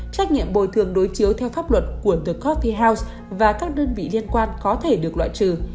trách nhiệm bồi thường đối chiếu theo pháp luật của the cophie house và các đơn vị liên quan có thể được loại trừ